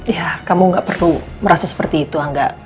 ya kamu gak perlu merasa seperti itu angga